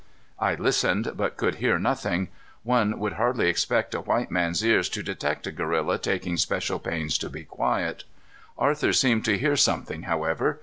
I listened, but could hear nothing. One would hardly expect a white man's ears to detect a gorilla taking special pains to be quiet. Arthur seemed to hear something, however.